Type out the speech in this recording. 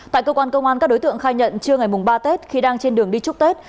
tại cơ quan công an các đối tượng khai nhận trưa ngày ba tết khi đang trên đường đi chúc tết